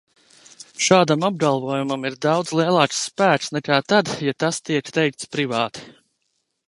Šādam apgalvojumam ir daudz lielāks spēks nekā tad, ja tas tiek teikts privāti.